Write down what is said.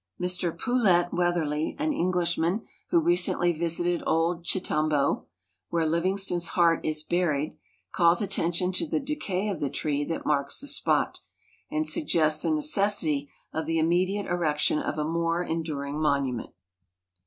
Mr Poulett Weatherley, an Englishman, who recently visited Old Chitambo, w^here Livingstone's heart is buried, calls attention to the decay of the tree that marks the spot, and suggests the necessity of the immediate erection of a more enduring monument.